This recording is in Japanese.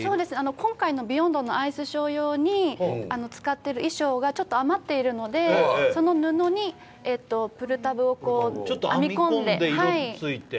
今回の「ＢＥＹＯＮＤ」のアイスショー用に使っている衣装がちょつと余っているので、その布にプルタブを編み込んで。